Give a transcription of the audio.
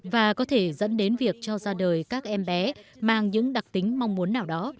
và có thể dẫn đến việc cho ra đời các em bé mang những đặc tính mong muốn nào đó